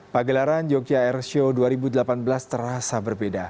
pagelaran jogja airshow dua ribu delapan belas terasa berbeda